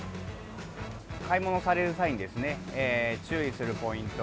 買い物される際にですね注意するポイント。